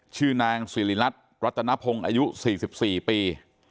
ชื่อนางสิริรัตน์รัตนพงศ์อายุ๔๔ปี